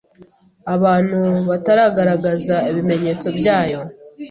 abantu bataragaragaza ibimenyetso byayo